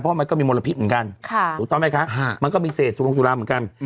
เพราะมันก็มีมลพิษเหมือนกันถูกต้องไหมคะมันก็มีเศษสุรงสุราเหมือนกัน